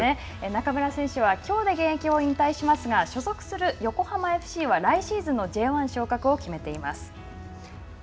中村選手はきょうで現役を引退しますが所属する横浜ＦＣは来シーズンのＪ１昇格を決めています。